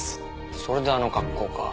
それであの格好か。